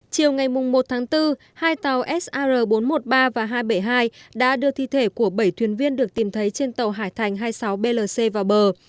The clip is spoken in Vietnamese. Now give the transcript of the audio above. chiều ngày một tháng bốn hai tàu sar bốn trăm một mươi ba và hai trăm bảy mươi hai đã đưa thi thể của bảy thuyền viên được tìm thấy trên tàu hải thành hai mươi sáu blc vào bờ